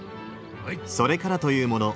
それからというもの